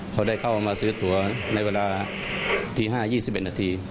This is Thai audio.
เขาได้เข้ามาซื้อตัวในเวลาตี๕๒๑นาที